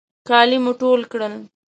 کالي مو ټول کړل.